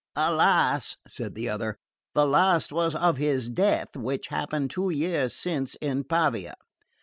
"Alas," said the other, "the last was of his death, which happened two years since in Pavia.